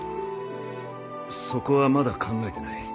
そこはまだ考えてない。